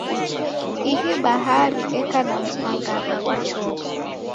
Ihi bahari eka na msangagha ghwa chokwa.